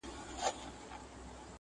په لوی لاس به ورانوي د ژوندون خونه٫